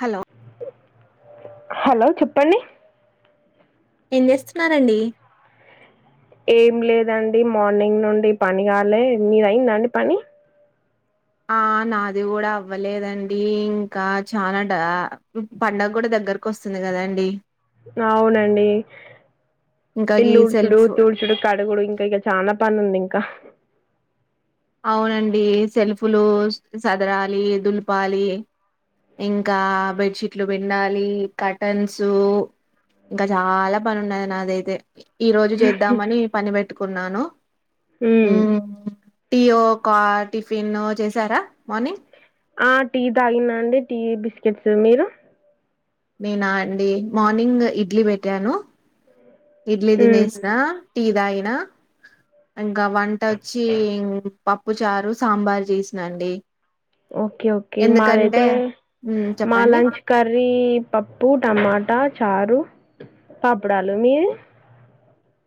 Hello hello చెప్పండి ఏం చేస్తున్నారు అండి ఏం లేదండి మార్నింగ్ నుండి పని కాలే మీది అయిందా అండి పని ఆ నాది కూడా అవ్వలేదండి ఇంకా చానా డా పండగక్కూడా ద గ్గరకు వస్తుంది కదా అండి అవునండి ఇంకా ఈ ఇల్లు ఊడ్చుడు సెల్ఫ్ తూడ్చుడు కడుగుడు ఇంకా ఇగ చానా పని ఉంది ఇంకా అవునండి సెల్ఫ్ లు సదరాలి దులపాలి ఇంకా బెడ్ షీట్లు పిండాలి కటన్సు ఇంకా చాలా పని ఉన్నది నాదైతే ఈ రోజు చేద్దామని పని పెట్టుకున్నాను హ్మ్ మ్మ్ టీయో కా టిఫిన్ చేసారా మార్నింగ్ ఆ టీ తాగిన్న అండి టీ బిస్కెట్స్ మీరు నేనా అండి మార్నింగ్ ఇడ్లీ పెట్టాను ఇడ్లీ ఉమ్. దినేస్నా టీ దాగినా ఇంకా వంట వచ్చి పప్పు చారు సాంబార్ చేసినాండి ఓకే ఓకే మాదయితే ఉమ్ మా చెప్పండి లంచ్ కర్రీ పప్పు టమాటా చారు పాపుడాలు మీది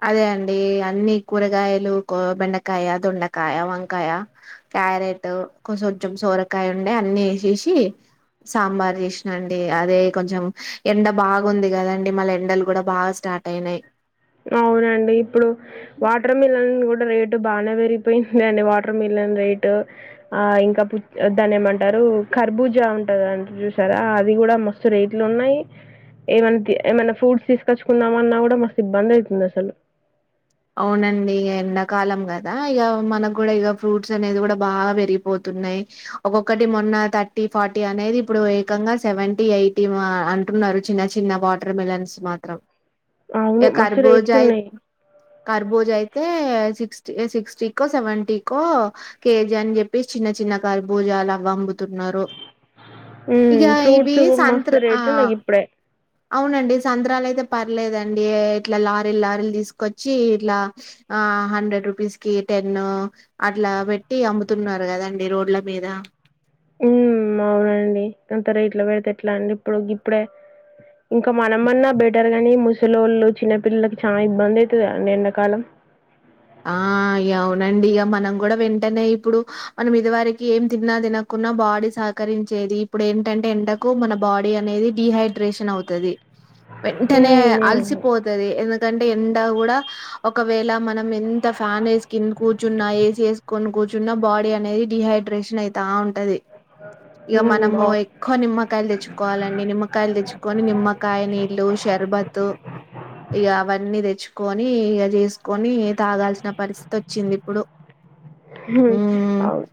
అదే అండి అన్ని కూరగాయలు కొ బెండకాయ దొండకాయ వంకాయ క్యారెట్ కోసొంచెం సోరకాయ ఉండే అన్ని ఏసేసి సాంబార్ చేసినా అండి అదే కొంచెం ఎండ బాగుంది కదండి మళ్ళ ఎండలు కూడా బాగా స్ట టాటయినాయి అవునండి ఇప్పుడు వాటర్ మిలన్ కూడా రేటు బానే పెరిగిపోయింది అండి వాటర్ మిలన్ రేట్ ఆ ఇంకా పు దాని ఏమంటారు కర్బూజా ఉంటది చూసారా అది అది కూడా మస్తు రేట్లున్నాయి ఏమన్న ఏమన్న ఫ్రూట్స్ తీసుకచ్చుకుందామన్న కూడా మ సిబ్బందయితుందసలు అవునండి ఇ ఎండాకాలం కదా ఇక మనకు కూడా ఇక ఫ్రూట్స్ అనేది కూడా బాగా పెరిగిపోతు న్నయి ఒక్కొక్కటి మొన్న థర్టీ ఫార్టీ అనేది ఇప్పుడు ఏకంగా సెవెంటీ ఎయిటీ మా అన్ ఉన్నాడు చిన్న చిన్న వాటర్ మిలన్స్ మాత్రం అవును. ఇ మస్తు రేట్స్ కర్బోజాయి ఉన్నాయి. జయితే సిక్స్టీ సిక్స్టీ కో సెవెంటీ కో కేజీ అని చెప్పి చిన్న చిన్న కా భూజ అలా పంపుతున్నారు ఇక హ్మ్. ఇవి ఫ్రూట్స్ సంత్ర మస్తు ఆ రేట్లున్నాయి ఇప్పుడే. అవునండి సంద్రాలయితే పర్లేదండి ఇట్లా లారీలు లారీలు తీసుకొచ్ చ్చి ఇలా ఆ హండ్రెడ్ రూపీస్ కి టెన్ అట్లా పెట్టి అమ్ముతున్నారు గా దండి రోడ్ల మీద ఉమ్ అవునండి ఇంత రేట్లు పెడితే ఎట్లా అండి ఇప్పుడు గిప్పుడే ఇంకా మనం అన్నా బెటర్ గానీ ముస్ సలోళ్ళు చిన్నపిల్లలకి చాలా ఇబ్బంది ఐతుది అండి ఎండాకాలం ఆ ఇగ అవునండి ఇగ మనం కూడా వెంటనే ఇప్పుడు మనం ఇది వరకి ఏం తిన్నా తినకు ఉన్నా బాడీ సహకరించేది ఇప్పుడు ఏంటంటే ఎండకు మన బాడీ అనేది డిహైడ్రేషన్ అవుతాది వెంటనే హ్మ్. అలసిపోతది ఎందుకంటే ఎండా కూడా ఒకవేళ మనం ఎంత ఫ్యాన్ వేసి కింద కూర్చున్నా ఏసి వేసుకొని కూర్చున్నా బాడీ అనేది డిహైడ్రేషన్ అయితా ఉంటది ఇగ హ్మ్. మనము అవును ఎక్కువ నిమ్మకాయలు తెచ్చుకోవాలండి నిమ్మకాయలు తెచ్చుకొని నిమ్మకాయ నీళ్లు షర్బతు ఇక అవన్నీ తెచ్చుకొని ఇక చేసుకొని తాగాల్సిన పరిస్థితి వచ్చింది ఇప్పుడు ఉమ్ అవును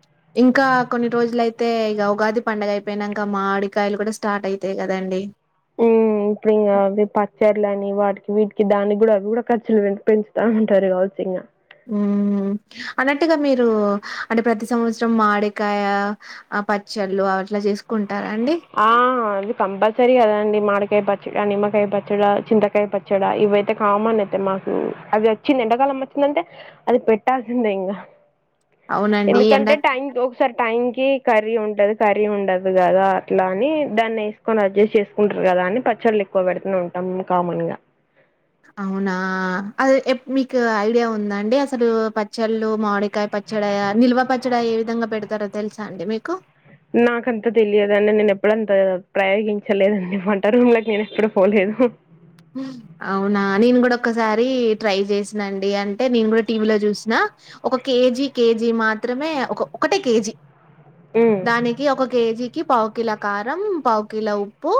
ఇంకా కొన్ని రోజులయితే ఇగ ఉగాది పండగ అయిపోయినాన్ క మామిడికాయలు కూడా స్టార్ట్ అయితాయి కదండి ఉమ్ ఉమ్ ఇప్పుడు ఇంకా అవి పచ్చర్లు అని వాటికి వీటికి దానికి కూడా అవి కూడా ఖర్చులు పెంచుతా ఉంటారు కావచ్చు ఇంగ ఉమ్ ఉమ్ అన్నట్టుగా మీరు అంటే ప్రతి సంవత్సరం మాడికాయ పచ్చళ్ళు ఆ అట్లా చేసుకుం ఆ అది కంపల్సరి కదండి మాకాయ పచ్ చ్చిక నిమ్మకాయ పచ్చడ చింతకాయ పచ్చడ ఇవి అయితే కామన్ అయితే మాకు అవి వచ్చింది ఎండకాలం వచ్చింది అంతే అది పెట్టాల్సిందే ఇంగ అవునండి ఎండా ఎందుకంటే టైం కి ఒకసారి టైమ్ కి కర్రీ ఉంటది కర్రీ ఉండదు కదా అట్లా అని దాన్ని వేసుకొని అడ్జస్ట్ చేసుకుంటారు కదా అని పచ్చళ్ళు ఎక్కువ పెడుతూ ఉంటాం కామన్ గా అవునా అది ఎప్ మీకు ఐడియా ఉంద అండి అసలు పచ్చళ్ళు మామిడికాయ ప పచ్చడయ నిల్వ పచ్చడి ఏ విధంగా పెడతారో తెలుసా అండి మీకు నాకంత తెలియదుండి నేను ఎప్పుడ అంత ప్రయోగించలేదండి వంట రూమ్ లోకి నేను ఎప్పుడు పోలేదు అవునా నేను కూడా ఒకసారి ట్రై చేసిన అండి అంటే నేను కూడా టీవీలో చూసిన ఒక కేజీ కేజీ మాత్రమే ఒక ఒకటే కేజీ హ్మ్ దానికి ఒక కేజీకి పావు కిలో కారం పావు కిలో ఉప్పు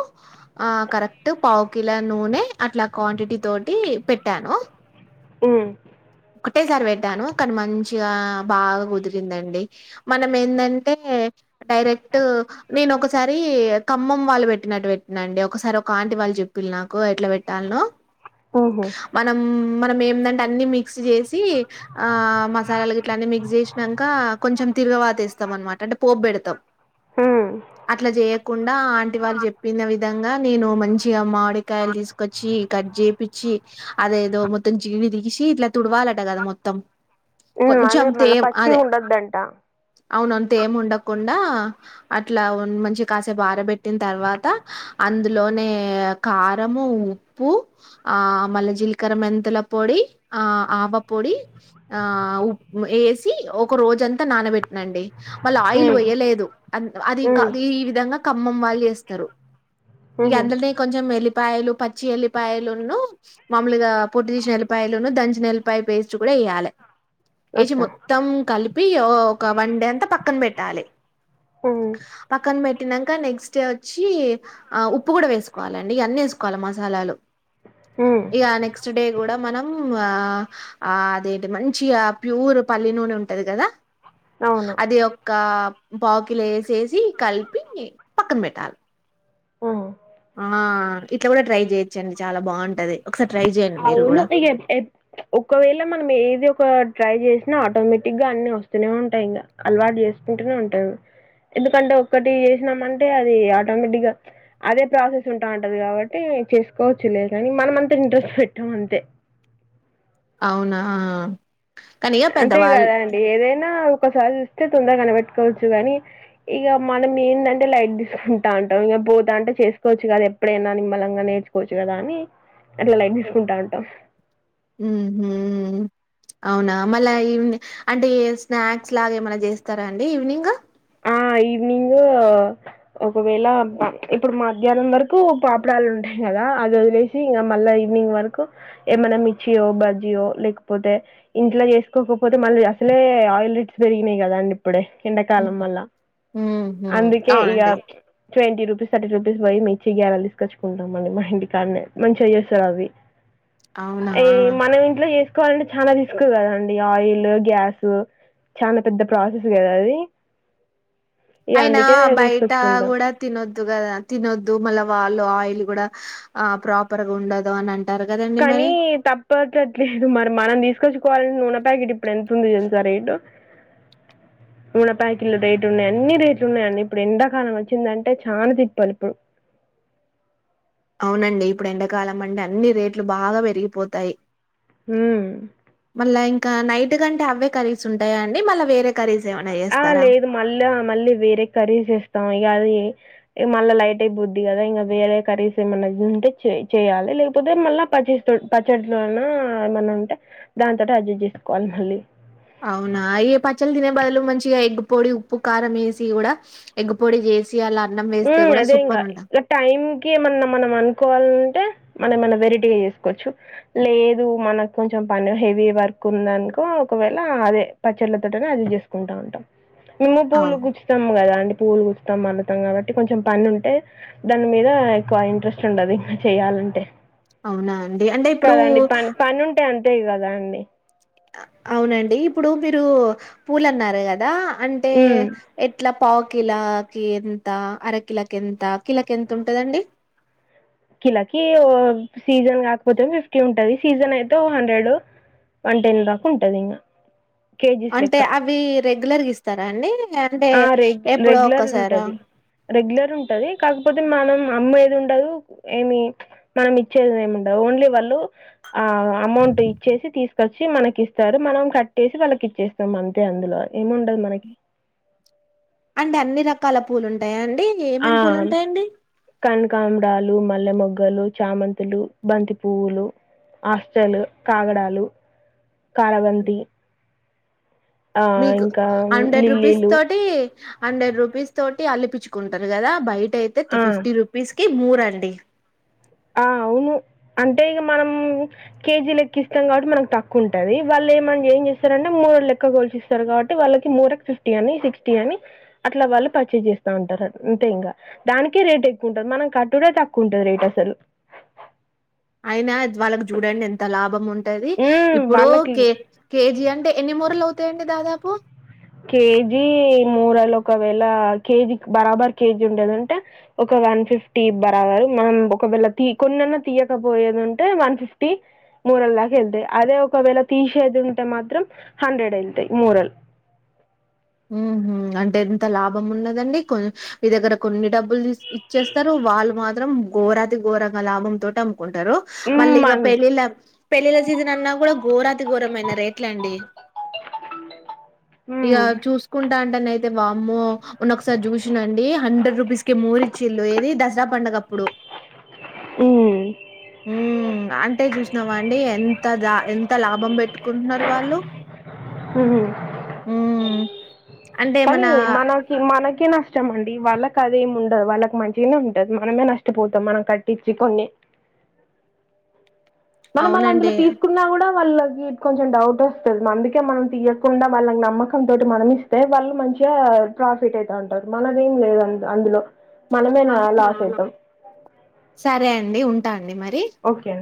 ఆ కరెక్ట్ పావ్ కిలో నూనె అట్లా క్వాంటిటీ తోటి పెట్టాను ఉమ్ ఒకటేసారి పెట్టాను కానీ మంచిగా బాగా కుదిరిందండి మనం ఏందంటే డైరెక్ట్ నేను ఒకసారి ఖమ్మం వాళ్ళు పెట్టినట్టు పెట్టిన అండి ఒకసారి ఒక ఆంటిీ వాళ్ళు చెప్పిల్లు నాకు ఎట్లా పెట్టాల్నో హుహు మనం మనం ఎందంటే అన్నీ మీ క్స్ చేసి ఆ మసాలాలు ఇట్లా అన్ని మిక్స్ చేసినాన్ క కొంచెం తిరగవాతేస్తాం అనమాట అంటె పోప్ బ్బెడుతం హ్మ్ అట్లా చేయకుండా ఆంటి వాళ్ళు చెప్పిన విధంగా నేను మంచిగా మామిడికాయలు తీసుకొచ్చి కట్ చేపిచ్చి అదేదో మొత్తం జీగిడి దీసి ఇట్లా తుడ్వాలట కదా మొత్తం హ్మ్ అదే కొంచం మళ్ళ తేమ్ పచ్చివి అదే ఉండొద్దంట అవునుంతే ఏ మ్ ఉండకుం డా అట్లా ఓన్ మంచి కాసేపు ఆరబెట్టిన తర్వాత అందులోనే కా కారము ఉప్పు ఆ మలజీలకర మెంతుల పొడి ఆ ఆవపొడి ఆ ఉప్ వేసి ఒక రోజంతా నానబెట్టిన అండి మళ్ళ ఆయిల్ హ్మ్ వోయలేదు అది హ్మ్ ఈ విధంగా ఖమ్మం వాళ్ళు చేస్తరు ఇగ హుహు అందలే కొంచెం ఎల్లి పాయలు పచ్చి ఎల్లిపాయలు ను మాములుగా పొట్ దీసిన ఎల్లిపాయ లోను దంచినల్పాయ పేస్ట్ కూడా వేయ్యాలే ఏసి అచ్చా మొత్తం కలిపి ఒక వన్ డే అంతా పక్కన పెట్టాలే ఉమ్ పేట్టినాన్ క నెక్స్ట్ డే వచ్చి ఆ ఉప్పు కూడా వేసుకోవాలండి ఇగ అన్నీ వేసుకోవాల మసాలాలు హ్మ్ ఇగ నెక్స్ట్ డే కూడా మనం ఆ అదేంటి మంచి ప్యూర్ పల్లీ నూనె ఉంటది కదా అవును అది ఒక్క పావుకిల వేసేసి కలిపి పక్కన పెట్టాలి ఆ ఆ ఇట్లా కూడా ట్రై చేయొచ్చండి చాలా బాగుంటది ఒకసారి ట్రై చేయండి మీరు అవును కూడా ఇక ఒకవేళ మనం ఏది ఒక ట్రై చేస్త ఆటోమేటిక్ గా అన్ని వస్తూనే ఉంటాయి ఇంకా అలవాటు చేసుకుంటూనే ఉంటాము ఎందుకంటే ఒక్కటి చేసినామ అంటే అది ఆటోమేటిక్ గా అదే ప్రాసెస్ ఉంటా ఉంటది కాబట్టి చేసుకోవచ్చు లేదు కాని మనం అంతా ఇంట్రెస్ట్ పెట్టాం అంతే అవునా కానీ ఇక పెద్దవాళ్ళు అంతేకాదా అండి ఏదైనా ఒసారి చూస్తే తొందరగా కనబెట్టుకోవచ్చు గాని ఇక మనం ఏంటంటే లైట్ తీసుకుంటా అంటాం ఇంకా పోతా అంటే చేసుకోవచ్చు కదా ఎప్పుడైనా నిమ్మలంగా నేర్చుకోవచ్చు కదా అని అట్లా లైట్ తీసుకుంటా ఉంటాం ఉహూ అవునా మళ్ళా ఈవినింగ్ అంటే స్నాక్స్ లాగా ఏమైనా చేస్తారా అండి ఈవినింగ్ ఆ ఈవినింగ్ ఒకవేళ ఇప్పుడు మా మధ్యాహ్నం వరకు పాపుడాలు ఉంటాయి కదా అది వదిలేసి ఇంకా మళ్ళా ఈవినింగ్ వరకు ఏమైన్నా మిర్చియో బజ్జియో లేకపోతే ఇంట్లో చేసుకోకపోతే మళ్ళీ అసలే ఆయిల్ రేట్స్ పెరిగినాయి కదండి ఇప్పుడే ఎండాకాలం ఉహు వల్ల ఉహు. అందుకే ఇగ అవునండి ట్వంటీ రూపీస్ థర్టీ రూపీస్ పోయి మిర్చి గ్యారెలు తీసుకొచ్చుకుంటాం మళ్ళీ మా ఇంటి కాడ నే మంచిగా చేస్తారు అవ్వి అవునా అ మనం ఇంట్లో చేసుకోవాలంటే చాలా తీసుకు కదండి ఆయిల్ గ్యాస్ చాలా పెద్ద ప్రాసెస్ కదా అది ఇక అయినా అందుకే బయట తీసుకొచ్చుకుంటాం కూడా తినొద్దు కదా తినొద్దు మళ్ళా వాళ్ళు ఆయిల్ కూడా ప్రాపర్ గా ఉండదు అని అంటారు కదండి కానీ మరి తప్పట్ట్లేదు మరి మనం తీసుకొచ్చుకోవాలని నూనె ప్యాకెట్ ఇప్పుడు ఎంత తుంది తెలుసా రేటు నూనె ప్యాకెట్లు రేట్ ఉన్నాయి అన్ని రేట్లు ఉన్నాయండి ఇప్పుడు ఎండాకాలం వచ్చిందంటే చాలా తిప్పాలు ఇప్పుడు అవునండి ఇప్పుడు ఎండాకాలం అంటే అన్ని రేట్లు బాగా పెరిగిపోతాయి. ఉమ్ మళ్ళా నైట్ కంటే అవే కరీస్ ఉంటాయా అండి మళ వేరే కర్రీస్ ఏమైనా ఆ చేస్తారా లేదు మళ్ళీ మళ్ళీ వేరే కర్రీస్ చేస్తాం ఇక అది మళ్ళ లైట్ అయిపోద్ది కదా ఇంకా వేరే కర్రీస్ ఏమన్నా తింటే చేయాలి లేకపోతే మళ్ళా పచ్చిస్ పచ్చడిలోన్నా ఏమన్నా ఉంటే దాని తోనే అడ్జెస్ చేసుకోవాలి మళ్ళీ అవునా అయ పచ్చలు తినే బదులు మంచిగా ఎగ్గు పొడి ఉప్పు కారం వేసి కూడా ఎగ్గు పొడి చేసి అలా అన్నం వేస్తే ఉమ్ కూడా అదే ఇంగా సూపర్ ఉంటా ఇక టైం కి ఏమన్నా మనం అనుకోవాలంటే మన ఏమన్న వెరటీగా చేసుకోవచ్చు లేదు మనకు కొంచెం పని హెవీ వర్క్ ఉందనుకో ఒకవేళ అదే పచ్చళ్లతోటనే అది చేసుకుంటా ఉంటాం మేము పూలు అవు కుచ్చుతాము కదా అండి పూవులు కుచ్చుతాం అళ్తాం కాబట్టి కొంచెం పని ఉంటే దాని మీద ఎక్కువ ఇంట్రెస్ట్ ఉండదు ఇంకా చెయాలంటే అవునా అండి అంటే కదండి ఇప్పుడు పని పని ఉంటే అంతే కదా అండి అవునండి ఇప్పుడు మీరు పూలు అన్నారు కదా అంటే హ్మ్ ఎట్లా పావుకిలా కి ఎంత అరకిలకి ఎంత కిల కి ఎంత ఉంటదండి కిలకి ఓ సీజన్ కాకపోతే ఫిఫ్టీ ఉంటది సీజన్ అయితే ఓ హండ్రెడ్ వన్ టైన్ దాకా ఉంటది ఇంకా అంటే అవి రెగ్యులర్గా ఇస్తారా అండి అంటే ఆ రె ఎప్పుడో రెగ్యులర్ ఒక్కసారా? ఉంటది రెగ్యులర్ ఉంటది కాకపోతే కాకపోతే మనం అమ్మేది ఉండదు ఏమి మనం ఇచ్చేది ఏమి ఉండదు ఓన్లీ వాళ్ళు ఆ అమౌంట్ ఇచ్చేసి తీసు వచ్చి మనకి ఇస్తారు మనం కట్ చేసి వాళ్ళకి ఇచ్చేస్తాం అంతే అందులో ఏముండదు మనకి అంటే అన్ని రకాల పూలుంటాయా అండి ఏమేమి పూలుంటాయండి కామడాలు మల్లె మొగ్గలు చామంతులు బంతి పువ్వులు ఆస్టలు కాగడాలు హ్మ్. కారబంతి ఆ మీకు ఇంకా హండ్రెడ్ రూపీస్ లిల్లీలు తోటి హండ్రెడ్ రూపీస్ తోటి అలిపించుకుంటారు కదా బయట అయితే ఆ తిఫిఫ్టీ రూపీస్ కి మూరండి ఆ అవును అంటే ఇక మనం కేజీ లెక్కి ఇస్తాం కాబట్టి మనకు తక్కువ ఉంటది వాళ్లు లె మన్ ఏం చేస్తారంటే మూర లెక్క గోల్స్ ఇస్తారు కాబట్టి వాళ్ళకి మూరె ఫిఫ్టీ అని సిక్స్టీ అని అట్లా వాళ్ళు పర్చేస్ చేస్తా ఉంటారు అంతే ఇంగ దానికి రేట్ ఎక్కువ ఉంటంది మనం కట్టుడే తక్కువ ఉంటంది రేట్ అసలు అయినా జ్వాళ్ళకి చూడండి ఎంత లాభం ఉం ఉంటది హ్మ్. ఇప్పుడు వాళ్ళకి కే కేజీ అంటే ఎన్ని మూరలు అవుతాయండి దాదాపు కేజీ మూరలు ఒకవేళ కేజీకి బరాబర్ కేజీ ఉంటదంటే ఒక వన్ ఫిఫ్టీ బరాబరు మనం ఒకవేళ తీ కొన్నన్న తీయకపోయేదుంటే వన్ ఫిఫ్టీ మూరల దాకా ఎళ్తయి అదే ఒకవేళ తీసేది ఉంటే మాత్రం హండ్రెడ్ ఎళ్తయి మూరలు ఊహు అంటే ఎంత లాభం ఉన్నదండి కొ మీ దగ్గర కొన్ని డబ్బులు దీస్ ఇచ్చేస్తారు వాళ్ళు మాత్రం ఘోరాతిఘోరంగా లాభం తోటమ్ము కుంటరు మళ్ళీ ఇగ మన్ పెళ్ళిళ్ళ పెళ్ళిళ్ళ సీజన్ అన్నా కూడా ఘోరాతి ఘోరమైన రేట్లండి ఇగ చూసుకుంటా అంటన అయితే వామ్మో మొన్న ఒకసారి చూసినండి హండ్రెడ్ రూపీస్ కి మూరిచిల్లు ఏది దసరప్ పండగప్పుడు ఊ హ్మ్. అంటే చూసినావాండి ఎంత ద ఎంత లాభం పెట్టు కున్నరు వాళ్ళు ఊ కానీ మనకి మనకే నష్టం అండి వాళ్ళక్ కదేం ఉండదు వాళ్ళకి మంచిగనే ఉంటది మనమే నష్టపోతాం మనం కట్టించి కొన్ని మనం అళ్ళ అందులో అవునండి. తీసుకున్నా కూడా వాళ్ళకి కొంచెం డౌట్ వస్తది అందుకే మనం తీయకుండా వాళ్ళకి నమ్మకం తోటి మనం ఇస్తే వాళ్ళు మం చిగా ప్రాఫిట్ అయితే ఉంటారు మనదేం లేదు అందులో మనమేన లాస్ మళ్ళా ఐతం సరే అండి ఉంటా అండి మరి. ఓక్యా